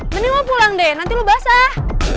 mending gue pulang deh nanti kenapa lo basah